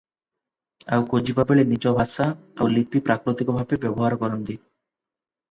ଆଉ ଖୋଜିବା ବେଳେ ନିଜ ଭାଷା ଆଉ ଲିପି ପ୍ରାକୃତିକ ଭାବେ ବ୍ୟବହାର କରନ୍ତି ।